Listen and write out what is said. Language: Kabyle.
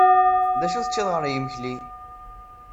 D acu teččiḍ ɣer yimekli?